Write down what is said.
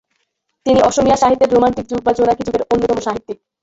তিনি অসমীয়া সাহিত্যের রোমান্টিক যুগ বা জোনাকী যুগের অন্যতম সাহিত্যিক।